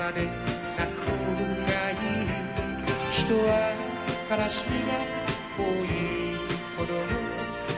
「人は悲しみが多いほど」